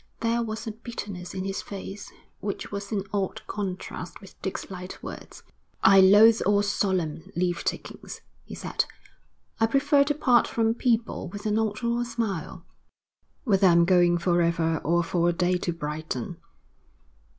There was a bitterness in his face which was in odd contrast with Dick's light words. 'I loathe all solemn leave takings,' he said. 'I prefer to part from people with a nod or a smile, whether I'm going for ever or for a day to Brighton.'